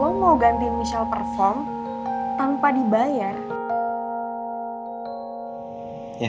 lo mau gantiin michelle perform tanpa dibayar